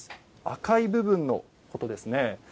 赤い部分のことですね。